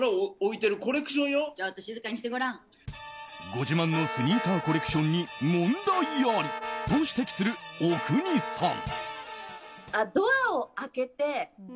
ご自慢のスニーカーコレクションに問題ありと指摘する阿国さん。